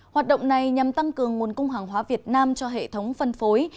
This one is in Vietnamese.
hoạt động này nhằm tăng cường nguồn cung hàng hóa việt nam cho hệ thống phân phối